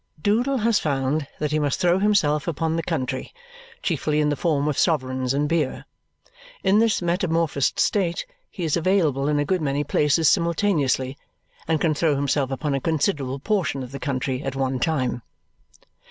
Doodle has found that he must throw himself upon the country, chiefly in the form of sovereigns and beer. In this metamorphosed state he is available in a good many places simultaneously and can throw himself upon a considerable portion of the country at one time.